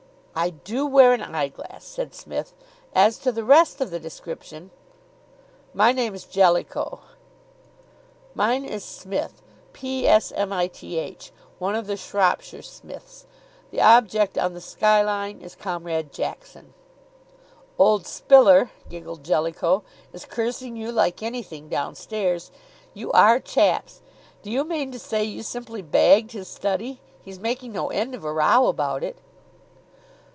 "I do wear an eyeglass," said Psmith; "as to the rest of the description " "My name's Jellicoe." "Mine is Psmith P s m i t h one of the Shropshire Psmiths. The object on the skyline is Comrade Jackson." "Old Spiller," giggled Jellicoe, "is cursing you like anything downstairs. You are chaps! Do you mean to say you simply bagged his study? He's making no end of a row about it."